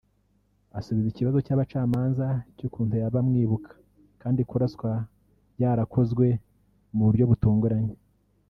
Asubiza ikibazo cy’abacamanza cy’ukuntu yaba amwibuka kandi kuraswa byarakozwe mu buryo butunguranye